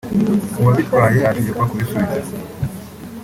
uwabitwaye ategekwa kubisubiza